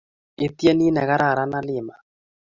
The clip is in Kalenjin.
Ityeni negararan Halima